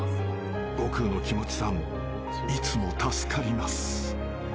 ［悟空のきもちさん。いつも助かります］